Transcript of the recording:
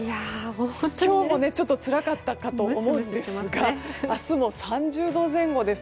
今日もつらかったかと思うんですが明日も３０度前後です。